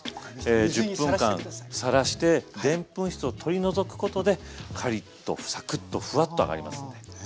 １０分間さらしてでんぷん質を取り除くことでカリッとサクッとフワッと揚がりますので。